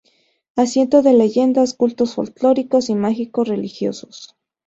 Asiento de leyendas, cultos folclóricos y mágico-religiosos.